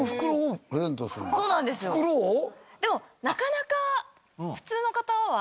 でもなかなか普通の方は。